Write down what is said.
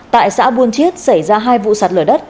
tại xã buôn chiết xảy ra hai vụ sạt lở đất